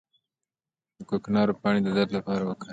د کوکنارو پاڼې د درد لپاره وکاروئ